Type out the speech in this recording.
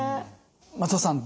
松尾さん